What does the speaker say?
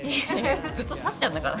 ずっと幸ちゃんだから。